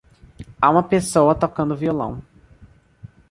Há uma pessoa tocando violão.